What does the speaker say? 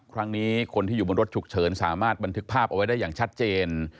ครั้งนี้คนที่อยู่บนรถฉุกเฉินสามารถบันทึกภาพเอาไว้ได้อย่างชัดเจน